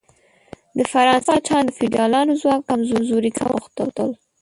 د فرانسې پاچاهان د فیوډالانو ځواک کمزوري کول غوښتل.